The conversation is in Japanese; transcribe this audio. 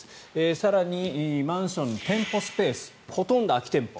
更にマンションの店舗スペースほとんど空き店舗。